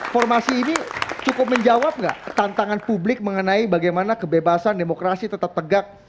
formasi ini cukup menjawab nggak tantangan publik mengenai bagaimana kebebasan demokrasi tetap tegak